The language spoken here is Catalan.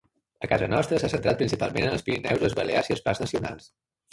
A casa nostra s'ha centrat principalment en els Pirineus, les Balears i els parcs nacionals.